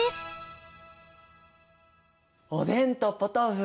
おでんとポトフ